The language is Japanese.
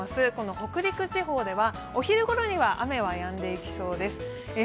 北陸地方ではお昼ごろには雨はやんでいきそうです。